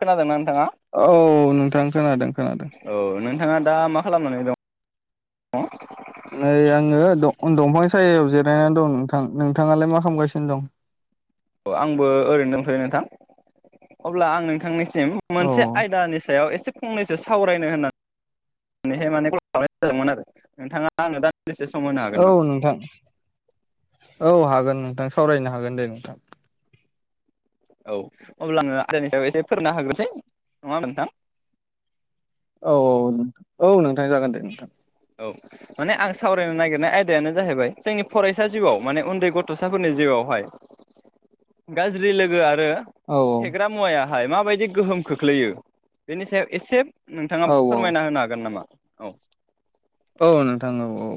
खोनादों ना नोंथां? औ नोंथां खोनादों खोनादों औ नोंथाङा दा मा खालामनानै दं? नै आङो दंफां सायायाव जिरायनानै दं नोंथां नोंथाङालाय मा खालामगासिनो दं? आंबो ओरैनो दथैो नोंथां अब्ला आं नोंथांनि औ मोनसे आयदानि सायाव एसे फंनैसो सावरायनो होनना [inaudible] नैहाय माने कल खालामनाय [inaudible] जादोंमोन आरो नोंथाङा आंनो दा औ नोंथां औ हागोन नोंथां सावरायनो हागोन दे नोंथां औ अब्ला आङो आदनि सायाव एसे फोरनो हाग्रोसै नङा होमबा नोंथां? औ औ औ नोंथां जागोन दे नोंथां औ माने आं सावरायनो नागिरनाय आयदायानो जाहैबाय जोंनि फरायसा जिउआव माने उन्दै गथसाफोरनि जिउआवहाय गाज्रि लोगोया आरो औ फेग्रा मुवाया नाथाय माबायदि गोहोम खोख्लैयो बेनि सायाव एसे नोंथाङा औ औ फोरमायना होनो हागोन नामा? औ औ नोंथां औ औ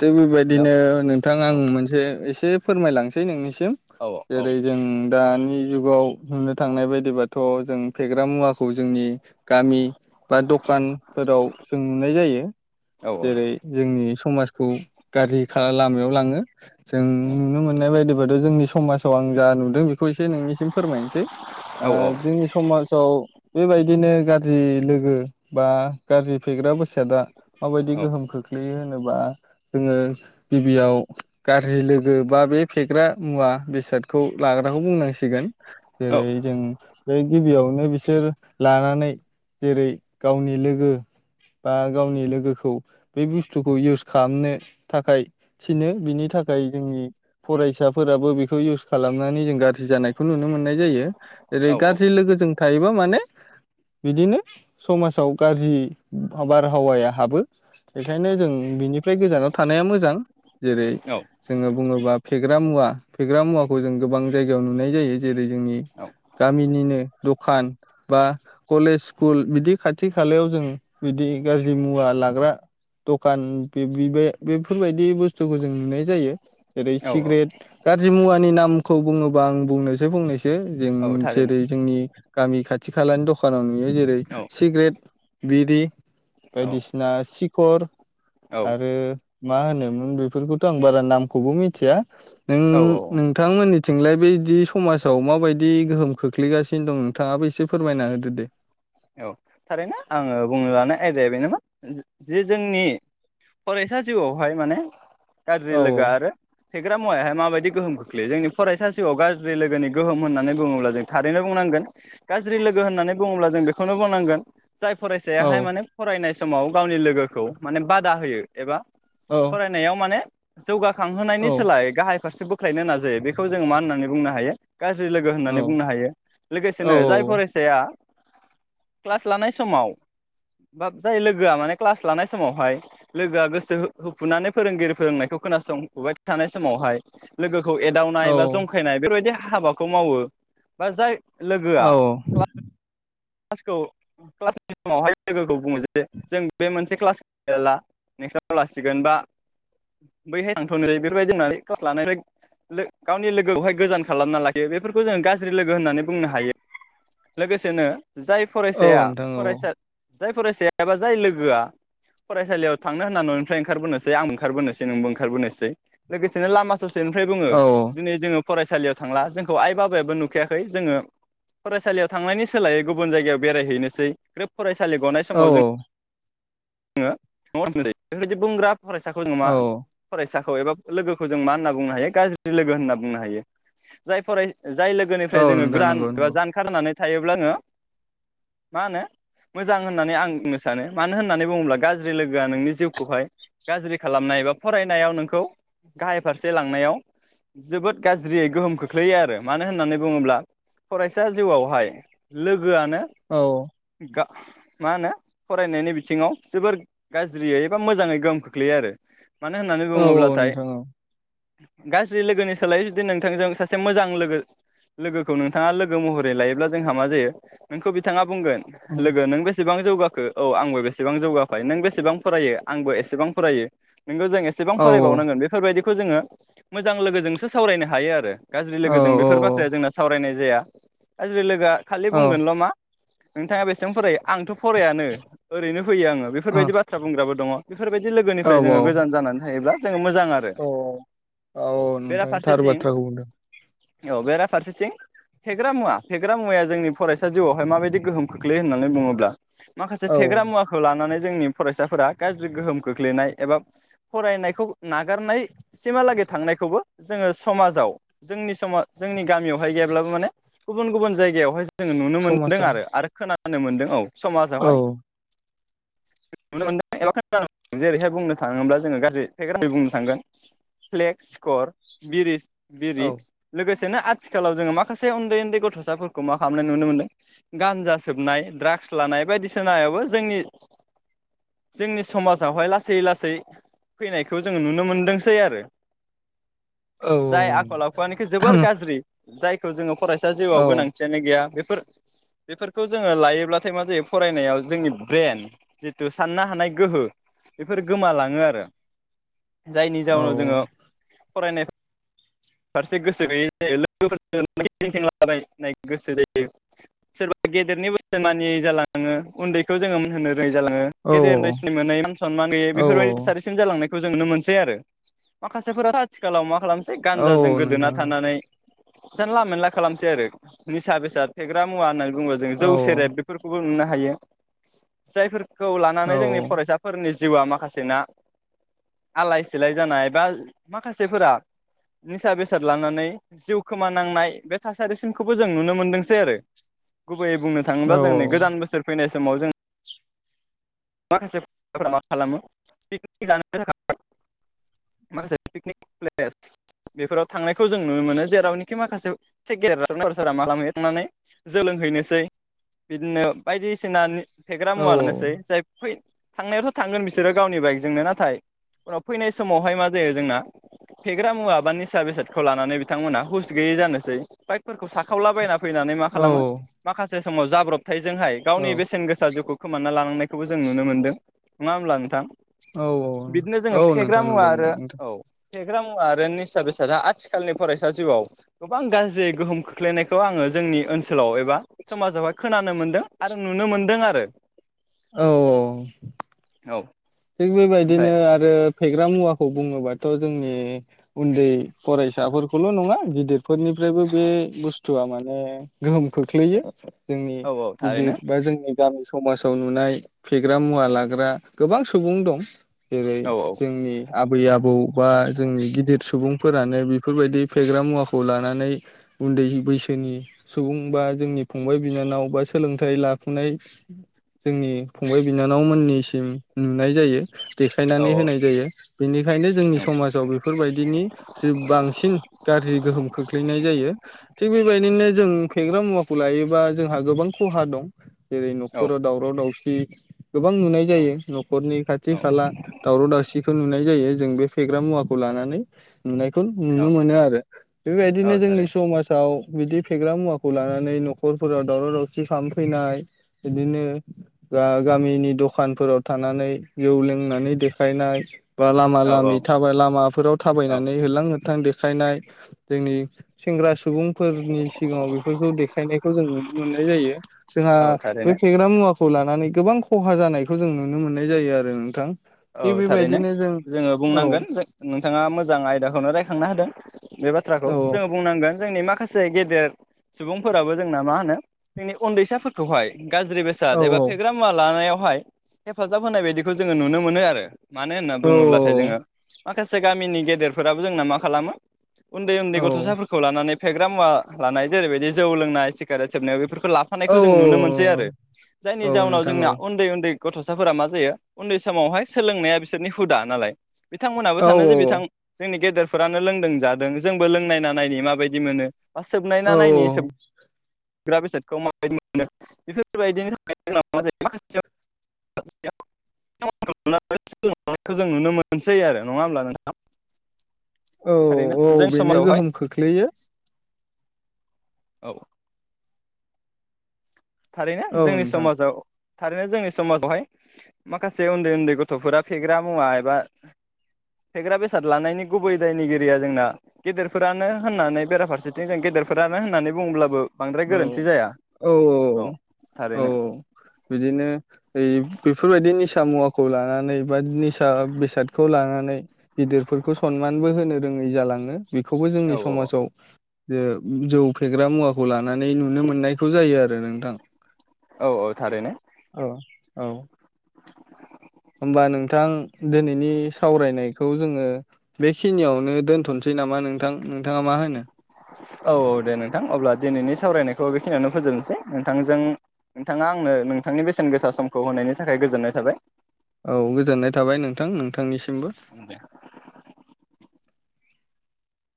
थिग हेल' बेबायदिनो नोंथां आं औ मोनसे एसे फोरमायलांनोसै नोंनि सि [unintelligible] जेरै जों दानि जुगाव बुंनो थांनाय बायदिबाथ जों फेग्रा मुवाखौ जोंनि गामि बा दकानफोराव जों नुनाय जायो थारैनो जेरै जोंनि समाज। खौ [unintelligible] लामायाव लाङो। जों नुनो मोननाय बायदिबा। [unintelligible] जोंनि समाजाव आं जा नुदों बे बेखौ एसे नोंनिसिम फोरमायनोसै औ ओ जोंनि समाजाव। बेबायदिनो गाज्रि लोगो बा गाज्रि फेग्रा बेसादा। माबायदि गोहोम खोख्लैयो होनोबा। जोङो गिबियाव गाज्रि लोगो बा बे फेग्रा मुवा बेसादखौ लाग्राखौ बुंनांसिगो गोन औ जेरै जों बे गिबियाव। नो बिसोर लानानै जेरै गावनि लोगो बा गावनि लोगोखौ बे बुस्थुखौ इउस खामनो थाखाय थिनो बिनि थाखाय जोंनि फरायसाफोराबो बेखौ इउस खालामनानै जों गाज्रि [unintelligible] जानायखौ नुनो मोननाय जायो जेरै गाज्रि लोगोजों थायोबा माने बिदिनो समाजाव गाज्रि बारहावाया हाबो बेखायनो जों बेनिफ्राइ गोजानाव थानाया मोजां जेरै जोङो बुङोबा फेग्रा फेग्रा मुवा फेग्रा मुवाखौ जों गोबां जायगायाव नुनाय जायो जेरै जोंनि गामिनिनो दुब दखान बा कलेज स्कुल बिदि खाथि खालायाव जों बिदि गाज्रि मुवा लाग्रा दखान बिबिबे बेफोरबायदि बुस्थुखौ जों नुनाय जायो जेरै सिग्रेट गाज्रि मुवानि नि नामखौ बुङोबा आं बुंनोसै फंनैसो जों जेरै जोंनि गामि खाथि खालानि दखानावनो यो जेरै सिग्रेट बिरि बायदिसिना सिग फोर आरो। मा होनोमोन बेफोरखौथ आं बारा नामखौबो मिथिया। नों औ नोंथांमोननि। थिंलाय बैदि समाजाव माबायदि गोहोम खोख्लैगासिनो दं नोंथांङाबो एसे फोरमायना होदो दे। औ थारैनो आङो बुंनो लानाय आयदाया बेनो मोन जे जोंनि फरायसा जिउआवहाय माने गाज्रिल औ लोगो आरो फेग्रा मुवायाहाय माबायदि गोहोम खोख्लैयो जोंनि फरायसा जिआव गाज्रि लोगोनि गोहोम होननानै बुङोब्ला जों थारैनो बुंनांगोन गाज्रि लोगो होननानै बुङोब्ला जों बेखौनो बुंनांगोन [inaudible] जाय औ फरायसायाहाय माने फरायनाय समाव गावनि लोगोखौ माने बादा होयो एबा औ फरायनायाव माने जौगा खांहोनायनि औ सोलाय गाहाय फारसे बोख्लायनो नाजायो बेखौ जोङो मा होननानै बुंनो हायो गाज्रि लोगो होननानै बुंनो हायो औ लोगोसेनो जाय फरायसाया क्लास लानाय समाव बा जाय लोगोआ माने क्लास लानाय समावहाय लोगोआ गोसो होफुनानै फोरोंगिरि फोरोंनायखौ खोनासंफुबाय थानाय समावहाय लोगो खौ औ एदावनाय बा जंखायनाय बेफोरबायदि हाबाखौ मावो बा जाय लोगोआ औ क्ला क्लासखौ क्लासनि समावहाय लोगोखौ बुङो जे जों बे मोनसे क्लासखौ लाला नेक्स्टआव लासिगोन बा बैहाय थांथ'नोसै बेफोरबायदि होननानै क्लास लानायफ्राय गावनि लोगोआवहाय गोजान खालामना लायो बेफोरखौ जों गाज्रि लोगो होननानै बुंनो हायो लोगोसेनो जाय औ फरायसाया नोंथां औ फरायसा जाय फरायसाया एबा जाय लोगोआ फरायसालियाव थांनो होनना न'निफ्राय ओंखारबोनोसै आंबो ओंखारबोनोसै नोंबो ओंखारबोनोसै लोगोसेनो लामा ससेनिफ्राय बुङो औ दिनै जोङो फरायसालियाव थांला जोंखौ आइ बाबायाबो नुखाखै जोङो फरायसालियाव थांनायनि सोलायै गुबुन जायगायाव बेरायहैनोसै ग्रोब फरायसालि गनाय औ समाव जों [unintelligible] बुंग्रा फरायसाखौ जोङो मा औ फरायसा एबा लोगोखौ जों मा होनना बुंनो हायो गाज्रि लोगो होनना बुंनो हायो जाय फराय जाय लोगोनिफ्राय औ जोङो नोंथां गोजान नंगौ बा नंगौ जानखार होनानै थायोब्ला ओङो मा होनो मोजां होननानै आं बुंनो सानो मानो होननानै बुङोब्ला गाज्रि लोगोआ नोंनि जिउखौहाय गाज्रि खालामनाय बा फरायनायाव नोंखौ गाहाय फारसे लांनायाव जोबोद गाज्रियै गोहोम खोख्लैयो आरो मानो होननानै बुङोब्ला फरायसा जिउआवहाय गोआनो औ गा मा होनो फरायनायनि बिथिङाव जोबोर गाज्रियै एबा मोजाङै गोहोम खोख्लैयो आरो। मानो होननानै औ औ बुङोब्लाथाय नोंथां औ। गाज्रि लोगोनि सोलायै जुदि नोंथांजों सासे मोजां लोगो लोगोखौ नोंथाङा लोगो महरै लायोब्ला जोंहा मा जायो नोंखौ बिथाङा बुंगोन लोगो नों बेसेबां जौगाखो औ आंबो बेसेबां जौगाफाय नों बेसेबां फरायो आंबो एसेबां फरायो। नोंगौ जों एसेबां औ फरायबावनांगोन बेफोरबायदि खौ जोङो मोजां लोगोजोंसो सावरायनो हायो आरो। गाज्रि औ लोगोजों बेफोर बाथ्राया जोंना सावरायनाय जाया हाज्रि लोगोआ खालि औ बुंगोनल' मा नोंथाङा बेसेबां फरायो आंथ' फरायानो ओरैनो फैयो आङो ओ बेफोरबायदि औ बाथ्रा बुंग्राबो दङ। बेफोरबायदि औ लोगोनिफ्राय जोङो गोजान जानानै थायोब्ला जों मोजां आरो औ औ नोंथां थार बेराफारसेथिं बाथ्राखौ बुंदों औ बेराफारसेथिं फेग्रा मुवा फेग्रा मुवाया जोंनि फरायसा जिउआवहाय माबायदि गोहोम खोख्लैयो होननानै बुङोब्ला माखासे औ फेग्रा मुवाखौ लानानै जोंनि फरायसाफोरा गाज्रि गोहोम खोख्लैनाय एबा फरायनायखौ नागारनायसिमलागै थांनायखौबो जोङो समाजआव जोंनि समा जोंनि गामियावहाय गैयाब्लाबो माने गुबन गुबन जायगायावहाय जोङो नुनो मोनदों समाजाव आरो आरो खोना नानो मोनदों औ औ समाजावहाय नुनो मोनदों [unintelligible] जेरैहाय बुंनो थाङोब्ला जोङो गाज्रि [unintelligible] बुंनो थांगोन फ्लेक्स सिकर बिरिस बिरि औ लोगोसे ना आथिखालाव जोङो माखासे उन्दै उन्दै गथसाफोरखौ मा खालामनाय नुनो मोनो गानजा सोबनाय ड्राग्स लानाय बायदिसिनायावबो जोंनि जोंनि समाजावहाय लासै लासै फैनायखौ जोङो नुनो मोनदोंसै आरो। औ जाय आखल आखुआ नोखि जोबोर गाज्रि जायखौ जोङो फरायसा औ जिउआव गोनां गैया बेफोर बेफोरखौ जोङो लायोब्लाथाय मा जायो फरायनायाव जोंनि ब्रेन जिथु साननो हानाय गोहो बेफोर गोमालाङो आरो। जायनि औ जाउनाव जोङो फरायनाय फारसे गोसो गैयै जायो लोगोफोरजों गिदिंथिंनला बायनाय गोसो जायो सोरबा गेदेरनि बोसोन मानियै जालाङो उन्दैखौ जोङो मान होनो रोङै जालाङो औ गेदेर उन्दै सिन मोनयै मान सनमान गैयै औ बेफोरबायदि थासारिसिम जालांनाय खौ जों नुनो मोनसै आरो माखासेफोराथ' आथिखालाव मा खालाम गानजाजों औ गोदोना नोंथां थानानै जानला मोनला खालामसै आरो निसा बेसाद फेग्रा मुवा होन बुङो जों जौ औ सेरेब बेफोरखौबो नुना हायो। जायफोर खौ औ लानानै जोंनि फरायसाफोरनि जिउआ माखासेना आलाय सिलाय जानाय बा माखासेफोरा निसा बेसाद लानानै जिउ खोमानांनाय बे थासारिसिमखौबो जों नुनो मोनदोंसै आरो गु बैयै बुंनो थाङोब्ला औ जों नै गोदान बोसोर फैनाय समाव जों [unintelligible] माखासे पिकनिक प्लेस बेफोराव थांनायखौ जों नुनो मोनो जेरावनोखि माखासे [unintelligible] थांनानै जौ लोंहैनोसै बिदिनो बायदिसिना फेग्रा औ मुवा लानोसै जाय फै थांनायावथ थांगोन बिसोरो गावनि बाइकजोंनो नाथाय उनाव फैनाय समावहाय मा जायो जोंना फेग्रा मुवा बा निसा बेसादखौ लानानै बिथांमोनहा हुस गैयै जानोसै बाइकफोरखौ साखावलाबायना फैनानै मा खालामो माखासे समाव जाब्रब थायजोंहाय गावनि बेसेन गोसा जिउखौ खोमाना लानांनाय बेखौबो जों नुनो मोन्दों नङा होमब्ला नोंथां। औ बिदिनो जोङो औ फेग्रा नोंथां मुवा नंगौ नंगौ आरो नोंथां औ। फेग्रा मुवा आरो निसा बेसादा आथिखालनि फरायसा जिउआव गोबां गाज्रि गोहोम खोख्लैनायखौ आङो जोंनि ओनसोलाव एबा समाजावहाय खोनानो मोनदों आरो नुनो मोनदों आरो। औ औ। थिग ओमफ्राय बेबायदिनो आरो फेग्रा मुवाखौ बुङोबाथ जोंनि उन्दै फरायसाफोरखौल नङा गिदिरफोरनिफ्रायबो बे बुस्थुवा माने गोहोम खोख्लैयो। जोंनि औ औ थारैनो गिदिर बा जोंनि गामि समाजाव नुनाय फेग्रा मुवा लाग्रा गोबां स सुबुं दं। जेरै औ जोंनि आबै आबौ बा जोंनि गिदिर सुबुंफोरानो बि बेफोरबायदि फेग्रा मुवाखौ लानानै उन्दै बैसोनि सुबुं बा जोंनि फंबाय बिनानाव बा सोलोंथाइ लाफुनाय जोंनि फंबाय बिनानावमोननिसिम नुनाय जायो। औ देखायनानै होनाय जायो बेनिखायनो जोंनि समाजाव बेफोरबायदिनि जोब बांसिन गाज्रि गोहोम खोख्लैनाय जायो थिग बेबायदिनो जों फेग्रा मुवाखौ लायो बा जोंहा गोबां खहा दं। जेरै औ नखराव दावराव दावसि दि गोबां नुनाय औ जायो न खरनि खाथि खाला दावराव दावसिखौ नुनो मोननाय जायो जों बे फेग्रा मुवाखौ लानानै। नुनायखौ नुनो औ मोनो आरो औ बेफोरबायदिनो जोंनि थारैनो समाजाव बिदि फेग्रा मुवाखौ लानानै नखरफोराव दावराव दावसि खालामफैनाय बिदिनो गामिनि दखानफोराव थानानै जौ लोंनानै देखायनाय बा लामा औ लामि औ थाबाय लामाफोराव औ थाबायनानै होलां - होथां देखायनाय जोंनि सेंग्रा सुबुंफोरनि सिगाङाव बेफोरखौ देखायनायखौ जों नुनो मोननाय जायो जोंहा औ बे थारैनो फेग्रा मुवाखौ लानानै गोबां खहा जानायखौ जों नु नुनो मोननाय जायो आरो नोंथां। औ थारैनो बेबायदिनो जों जोंङो औ बुंनांगोन ज नोंथांङा मोजां आयदाखौनो रायखांना होदों। बे बाथ्राखौ औ जोंङो बुंनांगोन। जोंनि माखासे गेदेर सुबुंफोराबो जोंना मा होनो जोंनि उन्दैसाफोरखौहाय गाज्रि बेसाद औ एबा फेग्रा मुवा लानायाव हाय हेफाजाब होनाय बायदिखौ जोंङो नुनो मोन मोनो आरो मानो होनना औ बुंङोब्लाथाय जोंङो माखासे गामिनि गेदेरफोराबो जोंना मा खालामो उन्दै उन्दै औ गथ'साफोरखौ लानानै फेग्रा मुवा लानाय जेरैबायदि जौ लोंनाय सिगारेट सेबनायाव बेफोरखौ औ लाफानायखौ जों नुनो मोनसै औ आरो जायनि औ जाउनाव नोंथां जोंना औ उन्दै उन्दै गथ'साफोरा मा जायो उन्दै समावहाय सोलोंनाया बिसोरनि हुदा नालाय बिथांमोनहाबो औ सानो जे बिथां जोंनि गेदेर फोरानो लोंदों जादों जोंबो लोंनायना नायनायनि माबायदि मोनो। बा सोबनाय औ नायनानायनि सोब ग्रा बेसादखौ माबायदि मोनो बेफोरबायदिनि थाखाय जोंना मा जायो माखासे [unintelligible] जों नुनो मोनसै आरो नङा होमब्ला नोंथां? औ थारैनो औ जों बेनो समाजावहाय गोहोम खोख्लैयो। औ थारैनो औ जोंनि नोंथां समाजाव थारैनो जोंनि समाजावहाय माखासे उन्दै उन्दै गथ'फोरा फेग्रा मुवा एबा फेग्रा बेसाद लानायनि गुबै दायनिगिरिया जोंना गेदेरफोरानो होननानै बेराफारसेथिं जों गेदेरफोरानो होननानै बुङोब्लाबो बांद्राय औ गोरोन्थि जाया। औ औ बिदिनो ओ बेफोरबायदि निसा मुवाखौ लानानै बा निसा बेसादखौ लानानै गिदिरफोरखौ सनमानबो होनो रोङै जालाङो। बेखौबो जोंनि औ समाजाव जे जौ फेग्रा मुवाखौ खौ लानानै नुनो मोननायखौ जायो आरो नोंथां औ औ थारैनो। औ औ होनबा नोंथां दिनैनि सावरायनायखौ जोंङो बेखिनियावनो दोनथनोसै नामा नोंथां? नोंथाङा मा होनो औ औ दे नोंथां अब्ला दिनैनि सावरायनायखौ बेखिनिययावनो फोजोबनोसै नोंथांजों नोंथाङा आंनो नोंथांनि बेसेन गोसा समखौ होनायनि थाखाय गोजोननाय थाबाय औ गोजोननाय थाबाय नोंथां नोंथांनिसि उम दे